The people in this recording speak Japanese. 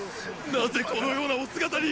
なぜこのようなお姿に！